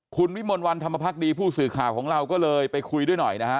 คุณวิมลวันธรรมพักดีผู้สื่อข่าวของเราก็เลยไปคุยด้วยหน่อยนะฮะ